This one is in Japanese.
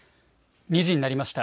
２時になりました。